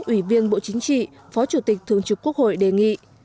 ủy viên bộ chính trị phó chủ tịch thường trực quốc hội đề nghị